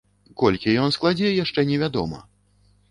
Колькі ён складзе яшчэ невядома.